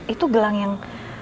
itu gelang yang